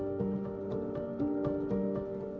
ketika berada di kota